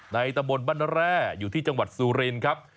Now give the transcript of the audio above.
ตะบนบ้านแร่อยู่ที่จังหวัดสุรินครับ